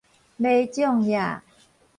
迷眾頁